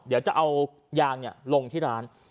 เดี๋ยวจะเอายางลงที่ร้าน